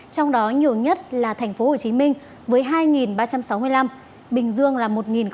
trong đó nhiều nhất là tp hcm với hai ba trăm sáu mươi năm bình dương là một ba mươi hai